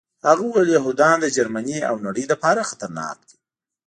هغه وویل یهودان د جرمني او نړۍ لپاره خطرناک دي